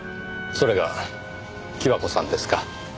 それが貴和子さんですか。